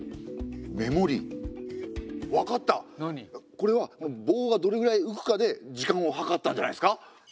これは棒がどれぐらい浮くかで時間を計ったんじゃないですか？